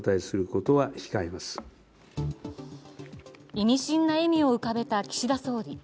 意味深な笑みを浮かべた岸田総理。